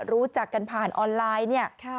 รู้จักกันผ่านออนไลน์เนี่ย